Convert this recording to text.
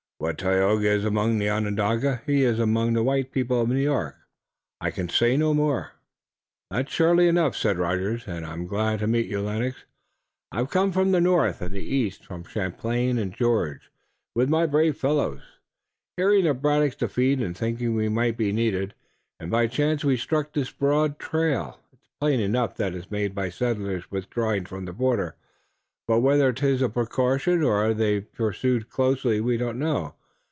What Tayoga is among the Onondagas, he is among the white people of New York. I can say no more." "That's surely enough," said Rogers, "and glad am I to meet you, Lennox. I've come from the north and the east, from Champlain and George, with my brave fellows, hearing of Braddock's defeat and thinking we might be needed, and by chance we struck this broad trail. It's plain enough that it's made by settlers withdrawing from the border, but whether 'tis a precaution or they're pursued closely we don't know.